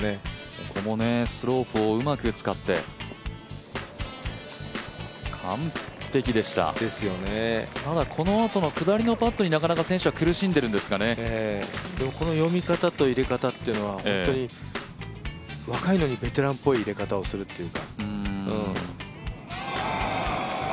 ここもね、スロープをうまく使って完璧でした、このあとの下りのパットに選手は読み方と入れ方というのは本当に若いのにベテランっぽい入れ方をするというか。